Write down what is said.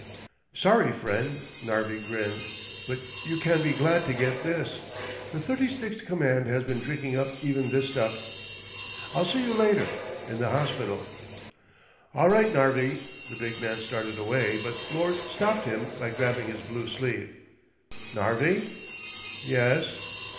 "Sorry, friend," Narvi grinned, "but you can be glad to get this. The 36th Command has been drinking up even this stuff. I'll see you later, in the hospital." "All right, Narvi." The big man started away, but Lors stopped him by grabbing his blue sleeve. "Narvi?" "Yes."